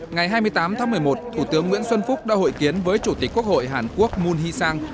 ngày hai mươi tám tháng một mươi một thủ tướng nguyễn xuân phúc đã hội kiến với chủ tịch quốc hội hàn quốc moon hee sang